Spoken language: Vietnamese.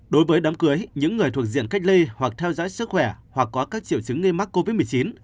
đối với đám cưới những người thuộc diện cách ly hoặc theo dõi sức khỏe hoặc có các triệu chứng nghi mắc covid một mươi chín